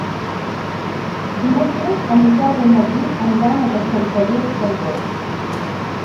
Dimecres en Miquel i en Magí aniran a Castellfollit del Boix.